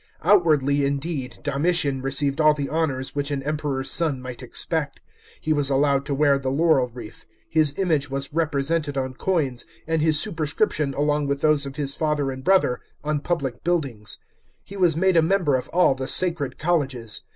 Outwardly, indeed, Domitian received all the honours which an Emperor's son might expect. He was allowed to wear ihe laurel wreath; his imag^ was represented on coins, and his superscription, along with those of his father and brother, on public buildings. He was made a member of all the sacred colleges.